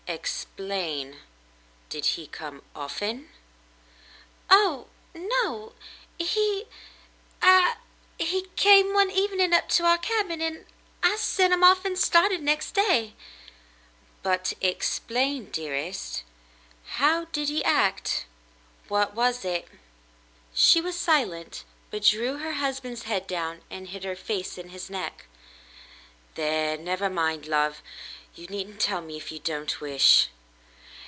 "Explain. Did he come often ?" "Oh, no. He — I — he came one evening up to our cabin, and — I sent him off and started next day." 310 The Mountain Girl *' But explain, dearest. How did he act ? What was it ?" She was silent, but drew her husband's head down and hid her face in his neck. "There ! Never mind, love. You needn't tell me if you don't wish."